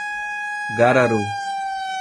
Gararu